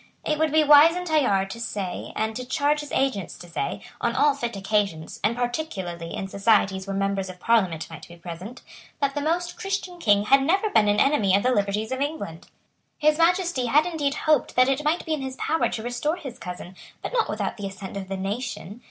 It would be wise in Tallard to say and to charge his agents to say, on all fit occasions, and particularly in societies where members of Parliament might be present, that the Most Christian King had never been an enemy of the liberties of England. His Majesty had indeed hoped that it might be in his power to restore his cousin, but not without the assent of the nation.